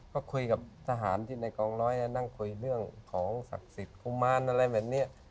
ก็คุยกับทหารที่ในกองร้อยนั่งคุยเรื่องของศักดิ์สิทธิ์กุมารอะไรแบบนี้